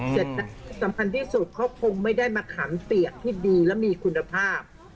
สำคัญที่สุดเขาคงไม่ได้มะขามเปียกที่ดีและมีคุณภาพ